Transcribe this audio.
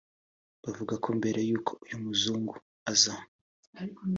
bavuga ko mbere y’uko uyu muzungu aza